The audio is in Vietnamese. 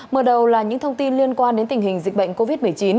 mở đầu là những thông tin liên quan đến tình hình dịch bệnh covid một mươi chín